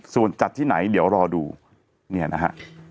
ส่วนจัดที่ไหนเดี๋ยวรอดูเนี่ยนะฮะ